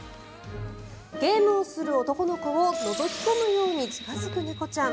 ゲームをする男の子をのぞき込むように近付く猫ちゃん。